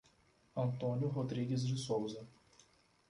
Antônio Rodrigues de Souza